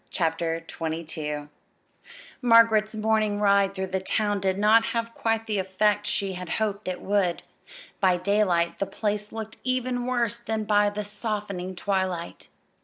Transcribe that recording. CHAPTER XXII Margaret's morning ride through the town did not have quite the effect she had hoped it would. By daylight the place looked even worse than by the softening twilight.